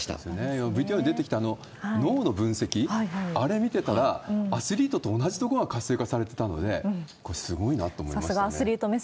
今ＶＴＲに出てきた、脳の分析、あれ見てたら、アスリートと同じ所が活性化されてたので、これ、さすが、いえいえ。